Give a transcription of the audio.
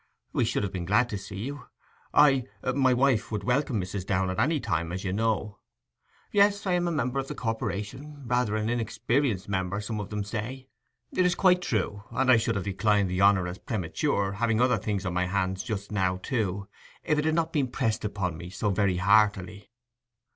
'We should have been glad to see you. I—my wife would welcome Mrs. Downe at any time, as you know ... Yes, I am a member of the corporation—rather an inexperienced member, some of them say. It is quite true; and I should have declined the honour as premature—having other things on my hands just now, too—if it had not been pressed upon me so very heartily.